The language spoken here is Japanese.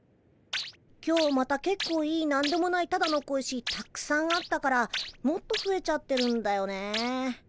今日またけっこういいなんでもないただの小石たくさんあったからもっとふえちゃってるんだよね。